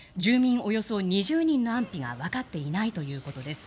およそ２０人の安否がわかっていないということです。